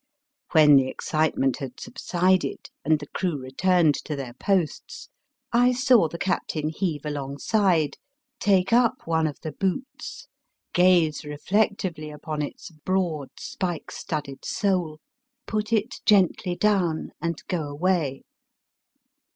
When the ex citement had subsided and the crew returned to their posts, I saw the captain heave along side, take up one of the boots, gaze re flectively upon its broad, spike studded sole, put it gently down, and go away.